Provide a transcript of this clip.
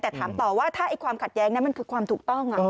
แต่ถามต่อว่าถ้าความขัดแย้งนั้นมันคือความถูกต้อง